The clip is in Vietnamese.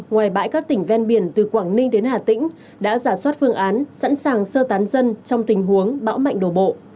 ngoài bãi các tỉnh ven biển từ quảng ninh đến hà tĩnh đã giả soát phương án sẵn sàng sơ tán dân trong tình huống bão mạnh đổ bộ